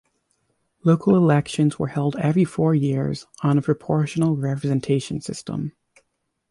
Local elections were held every four years on a proportional representation system.